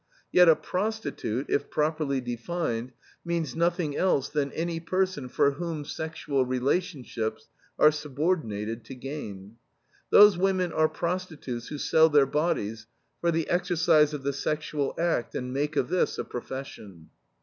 Yet a prostitute, if properly defined, means nothing else than "any person for whom sexual relationships are subordinated to gain." "Those women are prostitutes who sell their bodies for the exercise of the sexual act and make of this a profession."